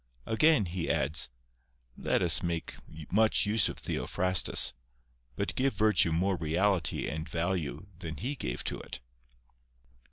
Again, he adds, " Let us make much use of Theophrastus ; but give virtue more reality and value than he gave to it."